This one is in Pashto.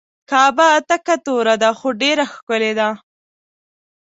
کعبه تکه توره ده خو ډیره ښکلې ده.